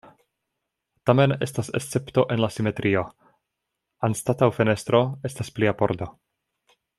Tamen estas escepto en la simetrio, anstataŭ fenestro estas plia pordo.